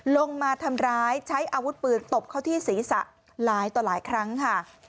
ลงมาทำร้ายใช้อาวุธปืนตบเขาที่ศีรษะหลายต่อหลายครั้งค่ะ